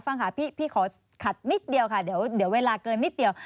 ฟังค่ะฟังค่ะพี่ขอขัดนิดเดียวค่ะเดี๋ยวเวลาเกินนิดหน่อย